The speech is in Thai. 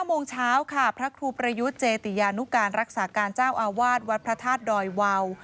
โมงเช้าค่ะพระครูประยุทธ์เจติยานุการรักษาการเจ้าอาวาสวัดพระธาตุดอยวาว